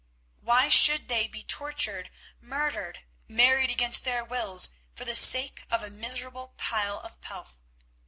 Why should they be tortured, murdered, married against their wills, for the sake of a miserable pile of pelf?